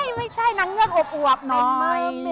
ไม่ไม่ใช่นางเงือกอวกน้อย